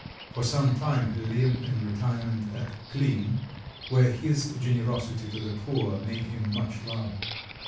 For some time he lived in retirement at Klin, where his generosity to the poor made him much loved.